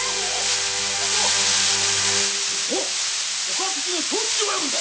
岡っ引の長吉親分だ。